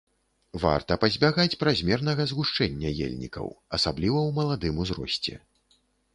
Варта пазбягаць празмернага згушчэння ельнікаў, асабліва ў маладым узросце.